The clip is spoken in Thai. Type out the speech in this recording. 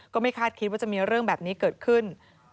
ก็ไม่คาดคิดว่าจะมีเรื่องแบบนี้เกิดขึ้น